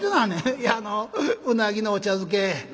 「いやあのうなぎのお茶漬け」。